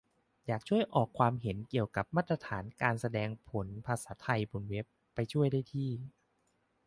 อยากช่วยออกความเห็นเกี่ยวกับมาตรฐานการแสดงผลภาษาไทยบนเว็บ ไปช่วยได้ที่